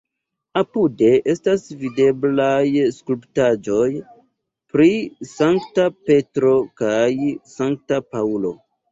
Apude estas videblaj skulptaĵoj pri Sankta Petro kaj Sankta Paŭlo.